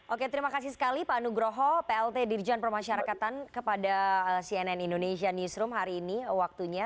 oke terima kasih sekali pak nugroho plt dirjen permasyarakatan kepada cnn indonesia newsroom hari ini waktunya